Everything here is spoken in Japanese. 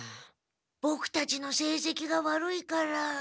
ボクたちのせいせきが悪いから。